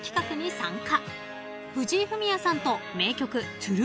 ［藤井フミヤさんと］